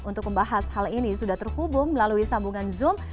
untuk membahas hal ini sudah terhubung melalui sambungan zoom